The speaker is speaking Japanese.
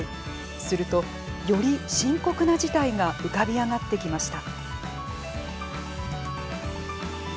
すると、より深刻な事態が浮かび上がってきました。